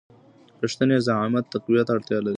رښتينی زعامت تقوی ته اړ دی.